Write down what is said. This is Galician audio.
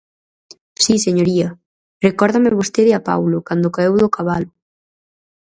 Si, señoría, recórdame vostede a Paulo cando caeu do cabalo.